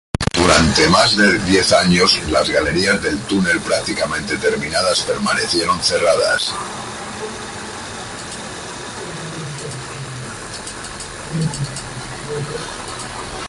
Durante más de diez años las galerías del túnel, prácticamente terminadas, permanecieron cerradas.